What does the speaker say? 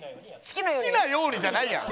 「好きなように」じゃないやん。